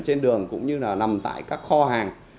trên đường cũng như là nằm tại các kho hàng